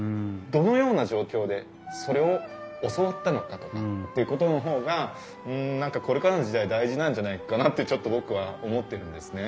どのような状況でそれを教わったのかとかっていうことの方が何かこれからの時代大事なんじゃないかなってちょっと僕は思ってるんですね。